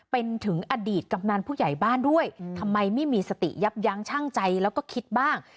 เป็นถึงอดีตกำนันผู้ใหญ่บ้านด้วยทำไมไม่มีสติยับยั้งชั่งใจแล้วก็คิดบ้าง